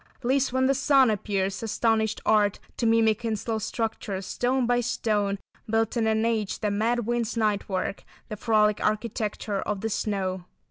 "Leaves when the sun appears, astonished Art To mimic in slow structures, stone by stone, Built in an age, the mad wind's night work, The frolic Architecture of the snow."